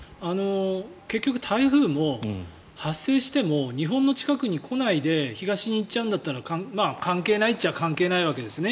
結局、台風も発生しても日本の近くに来ないで東に行っちゃうんだったら関係ないっちゃ関係ないわけですね